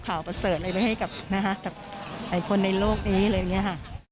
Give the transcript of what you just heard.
ประเสริฐอะไรไปให้กับหลายคนในโลกนี้อะไรอย่างนี้ค่ะ